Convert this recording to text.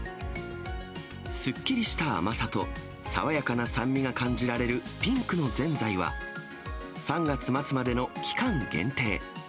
すっきりした甘さと、爽やかな酸味か感じられるピンクのぜんざいは、３月末までの期間限定。